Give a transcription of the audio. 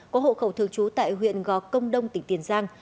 có hộ khẩu thường trú tại huyện gò công đông tỉnh tiền giang